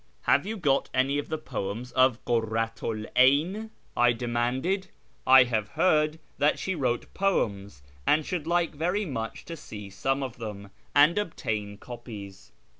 " Have you got any of the poems of Kurratu l 'Ayn ?" I demanded ;" I have heard that she wrote poems, and should like very much to see some of them, and obtain copies."